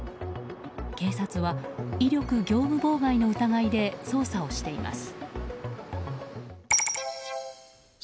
警察は威力業務妨害の疑いで捜査をしています。